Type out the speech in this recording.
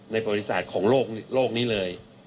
ในประวัติศาสตร์ของโลกนี้เลย